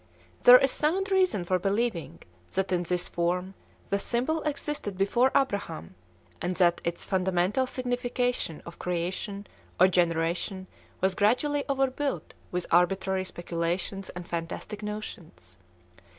There is sound reason for believing that in this form the symbol existed before Abraham, and that its fundamental signification of creation or generation was gradually overbuilt with arbitrary speculations and fantastic notions.